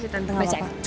tante apa kabar